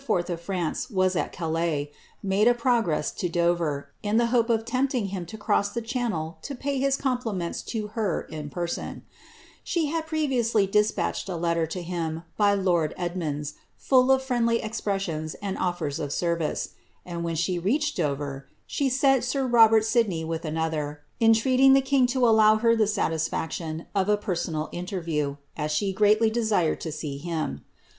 of Be was at Calais, made a progress to Dover, in the hope of tempt im to cross the channel to pay his compliments to her in person, lad previously despatched a letter to him by lord Edmonds, full of lly expressions and ofiers of service ; and when she reached Dover, ent sir Robert Sidney with another, intreating the king to allow her itisfaction of a personal interview, as she greatly desired to see him.